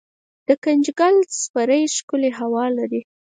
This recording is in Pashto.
دګنجګل څپری ښکلې هوا لري